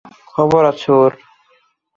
খবর আছে ওর।